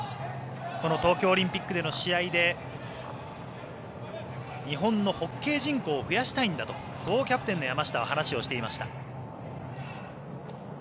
この東京オリンピックでの試合で日本のホッケー人口を増やしたいんだとそうキャプテンの山下は話しました。